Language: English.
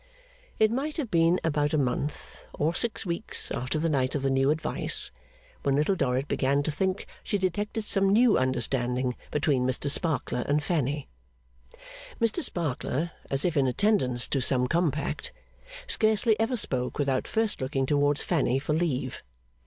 It might have been about a month or six weeks after the night of the new advice, when Little Dorrit began to think she detected some new understanding between Mr Sparkler and Fanny. Mr Sparkler, as if in attendance to some compact, scarcely ever spoke without first looking towards Fanny for leave.